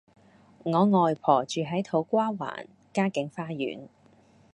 我外婆住喺土瓜灣嘉景花園